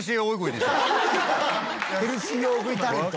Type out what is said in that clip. ヘルシー大食いタレント？